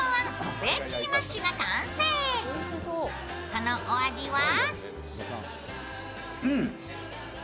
そのお味は？